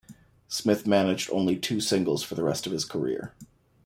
Smith managed only two singles for the rest of his career.